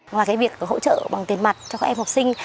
ngoài việc hỗ trợ bằng tiền mặt cho các em học sinh